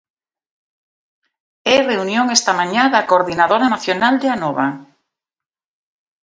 E reunión esta mañá da Coordinadora Nacional de Anova...